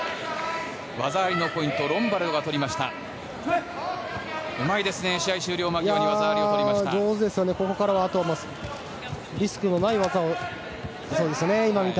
技ありのポイントはロンバルドが取りました。